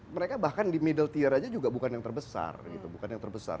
mereka bahkan di middle tier saja juga bukan yang terbesar